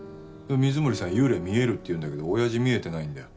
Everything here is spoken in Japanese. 水森さん幽霊見えるって言うんだけどおやじ見えてないんだよ。